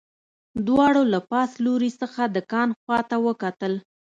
دواړو له پاس لوري څخه د کان خواته وکتل